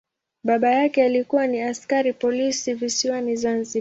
Baba yake alikuwa ni askari polisi visiwani Zanzibar.